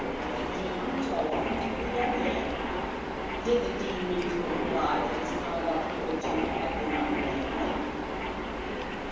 The Dean told him to be a man. Did the Dean mean to imply that his conduct hitherto had been unmanly?